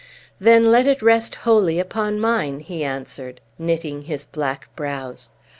"Then let it rest wholly upon mine!" he answered, knitting his black brows.